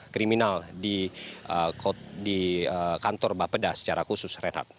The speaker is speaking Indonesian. kriminal di kantor bapeda secara khusus renat